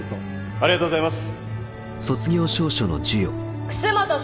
ありがとうございます。